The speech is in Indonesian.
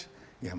ya mari kita adu